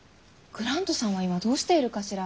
グラントさんは今どうしているかしら。